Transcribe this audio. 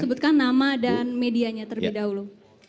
sebutkan nama dan medianya terlebih dahulu